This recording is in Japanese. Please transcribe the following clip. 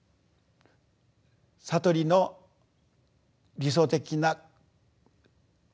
悟りの理想的な境地